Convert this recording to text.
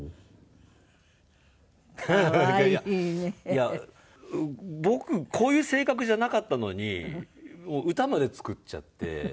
いや僕こういう性格じゃなかったのにもう歌まで作っちゃって。